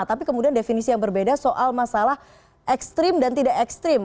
tapi kemudian definisi yang berbeda soal masalah ekstrim dan tidak ekstrim